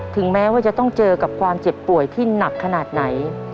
ถึงแม้ว่าจะต้องเจอกับความเจ็บป่วยที่หนักขนาดไหน